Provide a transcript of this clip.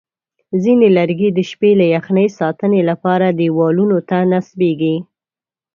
ځینې لرګي د شپې له یخنۍ ساتنې لپاره دیوالونو ته نصبېږي.